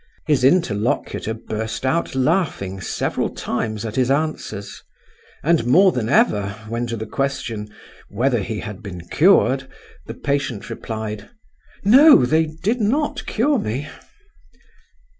His interlocutor burst out laughing several times at his answers; and more than ever, when to the question, "whether he had been cured?" the patient replied: "No, they did not cure me."